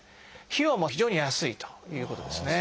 費用も非常に安いということですね。